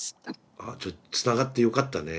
あじゃあつながってよかったね。